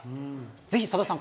ぜひ、さださん